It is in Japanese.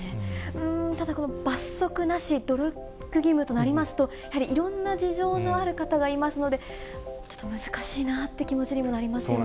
うーん、ただこの罰則なし、努力義務となりますと、やはりいろんな事情のある方がいますので、ちょっと難しいなっていう気持ちにもなりますよね。